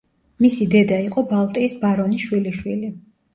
მისი დედა იყო ბალტიის ბარონის შვილიშვილი.